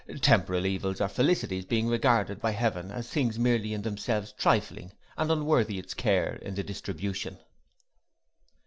Temporal evils or felicities being regarded by heaven as things merely in themselves trifling and unworthy its care in the distribution.